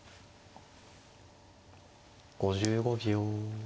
５５秒。